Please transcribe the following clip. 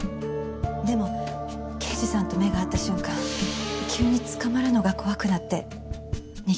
でも刑事さんと目が合った瞬間急に捕まるのが怖くなって逃げてしまいました。